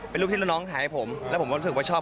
เป็นรูปที่น้องถ่ายให้ผมแล้วผมก็รู้สึกว่าชอบ